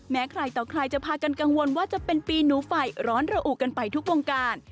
ใครต่อใครจะพากันกังวลว่าจะเป็นปีหนูไฟร้อนระอุกันไปทุกวงการ